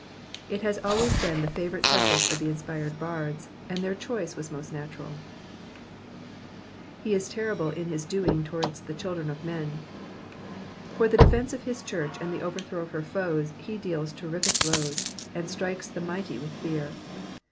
It has always been the favourite * subject of the inspired bards, and their choice was most natural. ffe U terrible in his doing toward the children of men.'*'* For the defence of his church and the overthrow of her foes he deals terrific blows, and strikes the mighty with fear.